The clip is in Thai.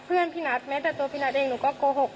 เพื่อนพี่นัทแม้แต่ตัวพี่นัทเองหนูก็โกหก